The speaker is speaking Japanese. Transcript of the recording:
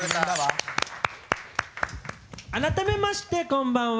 改めてましてこんばんは。